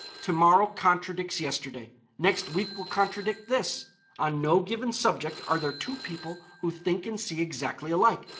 To morrow contradicts yesterday, next week will contradict this. On no given subject are there two people who think and see exactly alike.